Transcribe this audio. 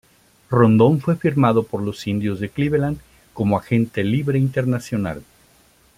Rondón fue firmado por los Indios de Cleveland como agente libre internacional.